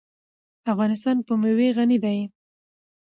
افغانستان په مېوې غني دی.